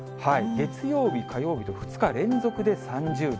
月曜日、火曜日と２日連続で３０度。